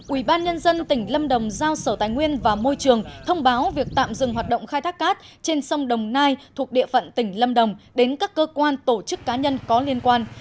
ủy ban nhân dân tỉnh lâm đồng giao sở tài nguyên và môi trường thông báo việc tạm dừng hoạt động khai thác cát trên sông đồng nai thuộc địa phận tỉnh lâm đồng đến các cơ quan tổ chức cá nhân có liên quan